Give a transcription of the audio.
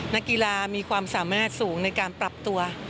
นักกีฬามีความสามารถสูงในการปรับตัว